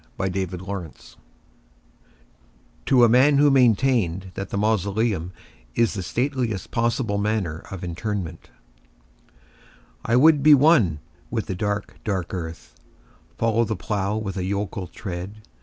The Traveller heart (To a Man who maintained that the Mausoleum is the Stateliest Possible Manner of Interment) I would be one with the dark, dark earth:— Follow the plough with a yokel tread.